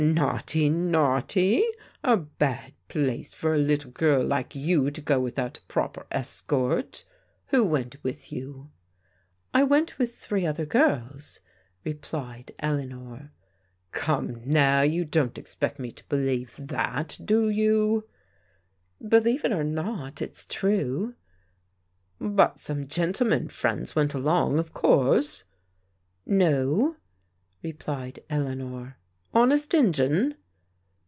Naughty, naughty I A bad place for a little girl like €1 THE ''GOOD FRIEND*' 219 you to go without a proper escort. Who went with you ?" I went with three other girls/' replied Eleanor. Come now, you don't expect me to believe that, do it ?»* you " Believe it or not, it's true." But some gentlemen friends went along, of course? "" No," replied Eleanor. "Honest Injun?"